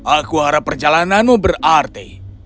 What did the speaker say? aku harap perjalananmu berarti